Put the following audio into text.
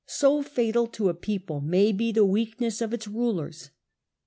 So fatal to a people may be the weakness of its rulers.